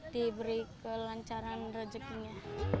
diberi kelancaran rezekinya